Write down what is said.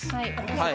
はい。